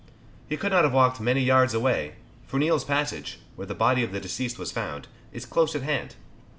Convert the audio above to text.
He could not have walked many yards away for Neal's passage, where the body of the deceased was found, is close at hand.